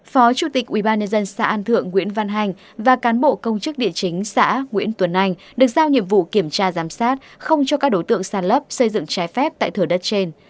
phó chủ tịch ubnd xã an thượng nguyễn văn hành và cán bộ công chức địa chính xã nguyễn tuấn anh được giao nhiệm vụ kiểm tra giám sát không cho các đối tượng sàn lấp xây dựng trái phép tại thửa đất trên